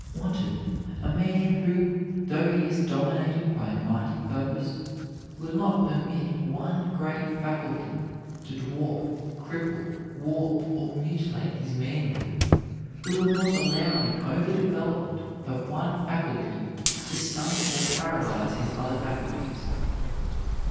Wanted, a man who, though he is dominated by a mighty purpose, will not permit one great faculty to dwarf, cripple, warp, or mutilate his manhood; who will not allow the over development of one faculty to stunt or paralyze his other faculties.